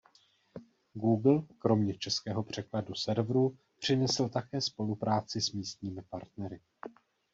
Google kromě českého překladu serveru přinesl také spolupráci s místními partnery.